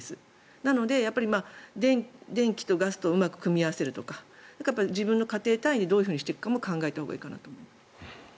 なので電気とガスとうまく組み合わせるとか自分の家庭単位でどういうふうにするかも考えたほうがいいかなと。